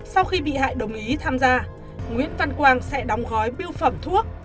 sau khi bị hại đồng ý tham gia nguyễn văn quang sẽ đóng gói biêu phẩm thuốc